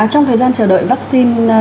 trong thời gian chờ đợi vaccine